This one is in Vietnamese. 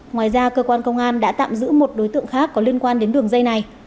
ngoài ra cơ quan công an đã tạm giữ một đối tượng khác có liên quan đến đường dây này